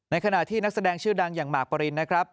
ขณะที่นักแสดงชื่อดังอย่างมากปรินนะครับ